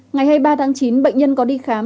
ngày hai mươi ba tháng chín bệnh nhân có đi khám